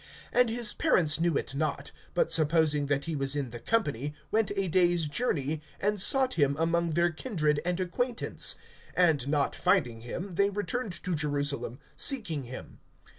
And his parents knew it not, (44)but supposing that he was in the company, went a day's journey, and sought him among their kindred and acquaintance; (45)and not finding him, they returned to Jerusalem, seeking him.